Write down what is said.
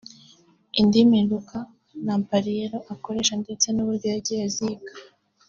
Indimi Luca Lampariello akoresha ndetse n’uburyo yagiye aziga